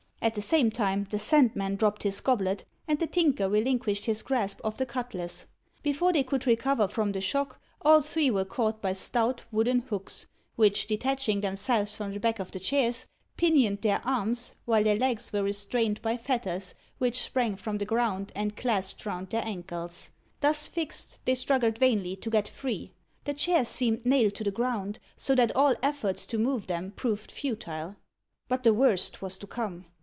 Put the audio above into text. At the same time, the Sandman dropped his goblet, and the Tinker relinquished his grasp of the cutlass. Before they could recover from the shock, all three were caught by stout wooden hooks, which, detaching themselves from the back of the chairs, pinioned their arms, while their legs were restrained by fetters, which sprang from the ground and clasped round their ankles. Thus fixed, they struggled vainly to get free. The chairs seemed nailed to the ground, so that all efforts to move them proved futile. But the worst was to come.